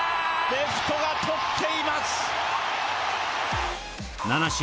レフトが捕っています